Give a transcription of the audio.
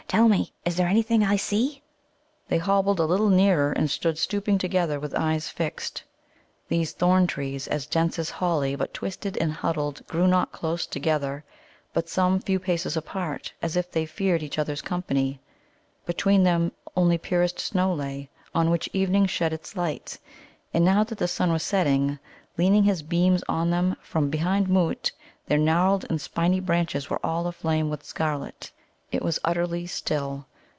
"Tell me, is there anything I see?" They hobbled a little nearer, and stood stooping together with eyes fixed. [Illustration: "WHAT IS IT, BROTHER? WHY DO YOU CROUCH AND STARE?"] These thorn trees, as dense as holly, but twisted and huddled, grew not close together, but some few paces apart, as if they feared each other's company. Between them only purest snow lay, on which evening shed its light. And now that the sun was setting, leaning his beams on them from behind Mōōt, their gnarled and spiny branches were all aflame with scarlet. It was utterly still.